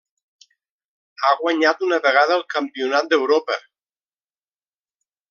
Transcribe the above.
Ha guanyat una vegada el Campionat d'Europa.